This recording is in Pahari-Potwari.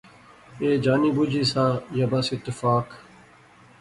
ایہہ جانی بجی سا یا بس اتفاق